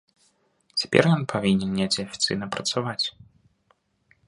Цяпер ён павінен недзе афіцыйна працаваць.